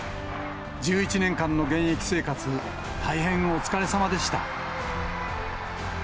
１１年間の現役生活、大変お疲れさまでした。